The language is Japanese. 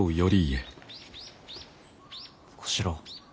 小四郎。